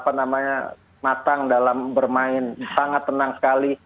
apa namanya matang dalam bermain sangat tenang sekali